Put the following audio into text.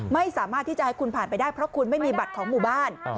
ไม่สามารถที่จะให้คุณผ่านไปได้เพราะคุณไม่มีบัตรของหมู่บ้าน